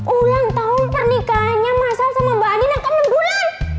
ulang tahun pernikahannya masal sama mbak anin akan enam bulan